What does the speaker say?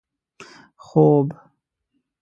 خوب